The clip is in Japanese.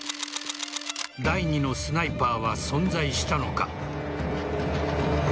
第２のスナイパーは存在したのか。